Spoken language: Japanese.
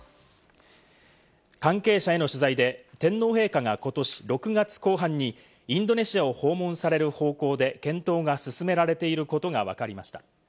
関係者への取材で、天皇陛下が今年６月後半にインドネシアを訪問される方向で検討が進められていることがわかりました。